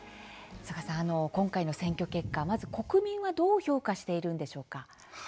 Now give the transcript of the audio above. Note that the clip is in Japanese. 曽我さん、今回の選挙結果まず国民はどう評価しているんでしょうか。